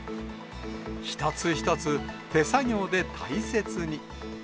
一つ一つ、手作業で大切に。